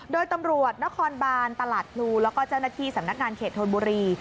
โดยตำรวจนครบานตลาดพลูแล้วก็เจ้าหน้าที่สำนักงานเขตธนบุรี